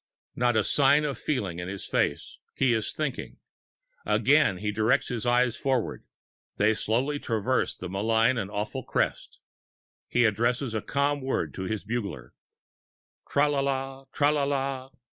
Not a sign of feeling in his face; he is thinking. Again he directs his eyes forward; they slowly traverse that malign and awful crest. He addresses a calm word to his bugler. Tra la la! Tra la la!